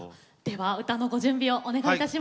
では歌のご準備をお願いいたします。